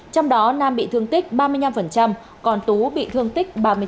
trong đó nam bị thương tích ba mươi năm còn tú bị thương tích ba mươi bốn